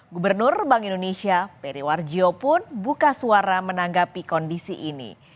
gubernur bank indonesia peri warjio pun buka suara menanggapi kondisi ini